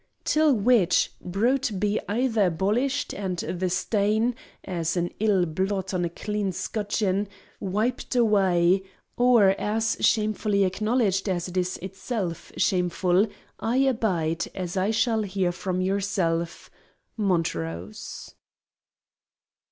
Till which, bruit be either abolished, and the stain—as an ill blot on a clean scutcheon—wiped away, or as shamefully acknowledged as it is itself shameful, I abide, as I shall hear from yourself, MONTROSE.